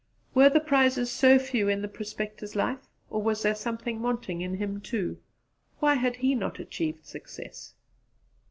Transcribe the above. Were the prizes so few in the prospector's life? or was there something wanting in him too? Why had he not achieved success?